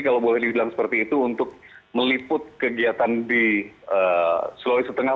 kalau boleh dibilang seperti itu untuk meliput kegiatan di sulawesi tengah